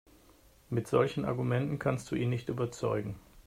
Mit solchen Argumenten kannst du ihn nicht überzeugen.